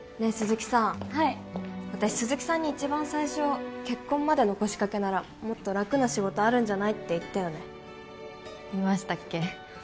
え鈴木さんはい私鈴木さんに一番最初結婚までの腰掛けならもっと楽な仕事あるんじゃない？って言ったよね言いましたっけ？